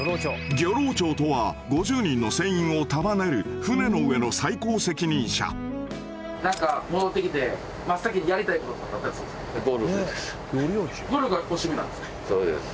漁労長とは５０人の船員を束ねる船の上の最高責任者戻ってきて真っ先にやりたいことあったりするんすか？